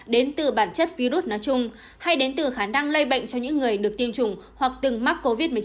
đến từ bản chất virus nói chung hay đến từ khả năng lây bệnh cho những người được tiêm chủng hoặc từng mắc covid một mươi chín